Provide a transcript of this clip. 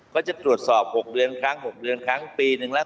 ก็จะตรวจสอบ๖เดือนครั้ง๖เดือนครั้งปีนึงแล้ว